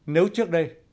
nếu trước đây